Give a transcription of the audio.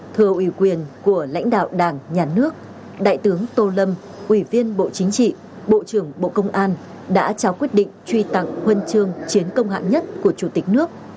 thưa ủy quyền của lãnh đạo đảng nhà nước đại tướng tô lâm ủy viên bộ chính trị bộ trưởng bộ công an đã trao quyết định truy tặng huân chương chiến công hạng nhất của chủ tịch nước